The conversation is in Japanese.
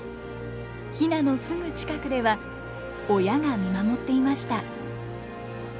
ヒナのすぐ近くでは親が見守っていました。